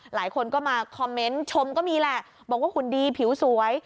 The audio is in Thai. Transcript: หลายคนก็มาคอมเมนต์ชมก็มีแหละบอกว่าหุ่นดีผิวสวย